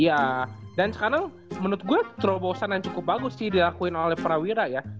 iya dan sekarang menurut gue terobosan yang cukup bagus sih dilakuin oleh prawira ya